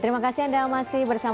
terima kasih anda masih bersama